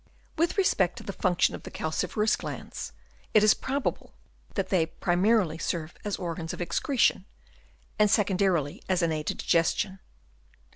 With respect to the function of the calci ferous glands, it is probable that they pri marily serve as organs of excretion, and secondarily as an aid to digestion.